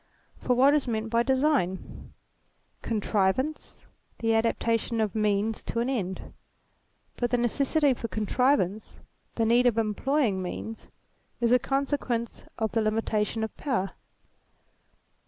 For what is meant by Design ? Contrivance : the adaptation of means to> an end. But the necessity for contrivance the need ATTRIBUTES 177 of employing means is a consequence of the limitation of power.